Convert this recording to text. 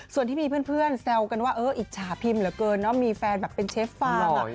ส่วนที่มีเพื่อนแซวกันว่าเอออิจฉาพิมเหลือเกินเนอะมีแฟนแบบเป็นเชฟฟาง